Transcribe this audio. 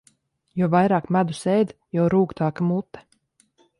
Jo vairāk medus ēd, jo rūgtāka mute.